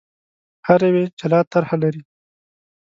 هر یو یې جلا طرح لري.